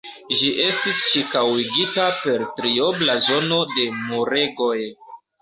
Ĝi estis ĉirkaŭigita per triobla zono de muregoj.